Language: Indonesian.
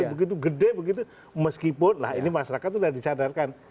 begitu gede meskipun ini masyarakat sudah disadarkan